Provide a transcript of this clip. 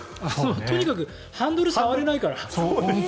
とにかくハンドル触れないから。